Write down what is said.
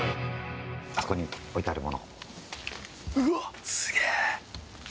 あそこに置いてある物。